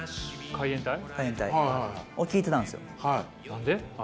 海援隊を聴いてたんですよ。何で？